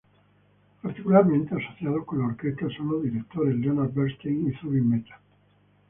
Particularmente asociados con la orquesta son los directores Leonard Bernstein y Zubin Mehta.